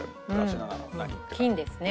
金ですね。